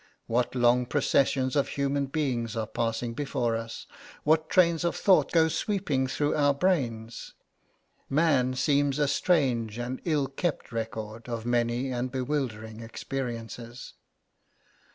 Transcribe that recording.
What long processions of human beings are passing before us! What trains of thought go sweeping through our brains! Man seems a strange and ill kept record of many and bewildering experiences.